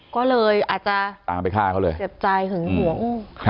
ก็เลยอาจจะตามไปฆ่าเขาเลยเจ็บใจหึงหวง